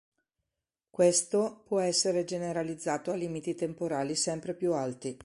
Questo può essere generalizzato a limiti temporali sempre più alti.